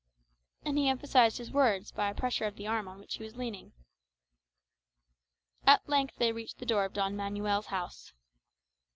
And he emphasized his words by a pressure of the arm on which he was leaning. At length they reached the door of Don Manuel's house.